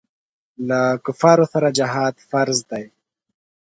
له کفارو سره جهاد فرض دی.